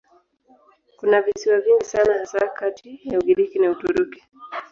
Kuna visiwa vingi sana hasa kati ya Ugiriki na Uturuki.